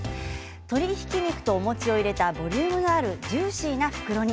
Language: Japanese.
鶏ひき肉とお餅を入れたボリュームのあるジューシーな袋煮。